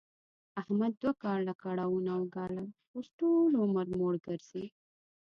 احمد دوه کاله کړاوونه و ګالل، اوس ټول عمر موړ ګرځي.